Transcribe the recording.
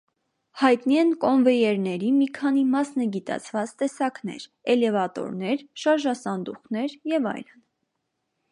Հայտնի են կոնվեյերների մի քանի մասնագիտացված տեսակներ (էլևատորներ, շարժասանդուղքներ ևն)։